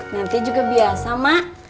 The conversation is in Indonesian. nanti juga biasa mak